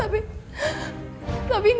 aku bisa pergi sekarang